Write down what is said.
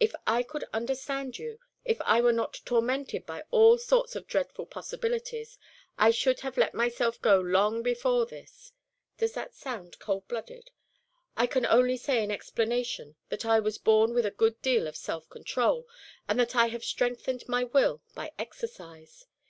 If I could understand you, if I were not tormented by all sorts of dreadful possibilities, I should have let myself go long before this. Does that sound cold blooded? I can only say in explanation that I was born with a good deal of self control, and that I have strengthened my will by exercise.